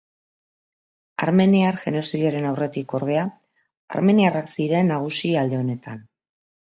Armeniar genozidioaren aurretik, ordea, armeniarrak ziren nagusi alde honetan.